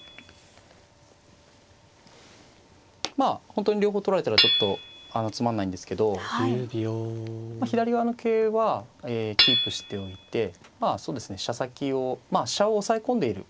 まあ本当に両方取られたらちょっとつまんないんですけど左側の桂はキープしておいて飛車先をまあ飛車を押さえ込んでいる。